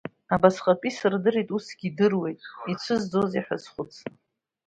Абасҟатәи исырдырит, усгьы идыруеит, ицәызӡози ҳәа схәыцны.